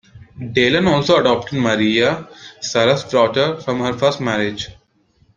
Dylan also adopted Maria, Sara's daughter from her first marriage.